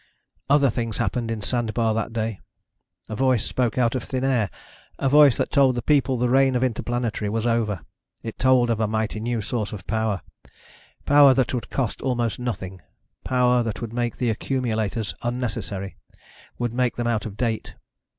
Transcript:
Other things happened in Sandebar that day. A voice spoke out of thin air, a voice that told the people the reign of Interplanetary was over. It told of a mighty new source of power. Power that would cost almost nothing. Power that would make the accumulators unnecessary ... would make them out of date.